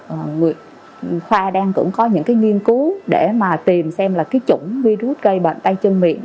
khoa đang cũng có những cái nghiên cứu để mà tìm xem là cái chủng virus gây bệnh tay chân miệng